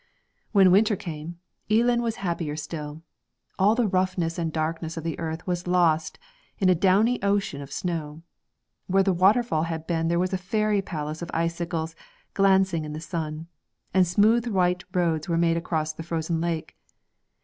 When winter came, Eelan was happier still. All the roughness and darkness of the earth was lost in a downy ocean of snow. Where the waterfall had been there was a fairy palace of icicles glancing in the sun, and smooth white roads were made across the frozen lake.